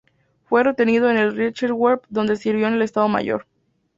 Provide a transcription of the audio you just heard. Fue retenido en el Reichswehr donde sirvió en el Estado Mayor.